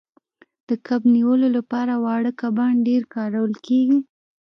د کب نیولو لپاره واړه کبان ډیر کارول کیږي